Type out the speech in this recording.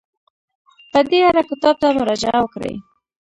په دې اړه کتاب ته مراجعه وکړئ.